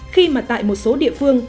khi mà tại một số địa phương